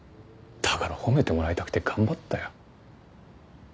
だから褒めてもらいたくて頑張ったよ。